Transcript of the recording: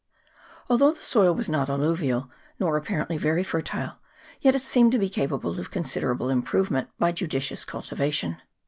Although the soil was not alluvial, nor apparently very fertile, yet it seemed to be ca pable of considerable improvement by judicious cul tivation.